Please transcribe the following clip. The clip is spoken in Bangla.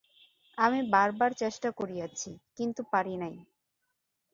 আমি বারবার চেষ্টা করিয়াছি, কিন্তু পারি নাই।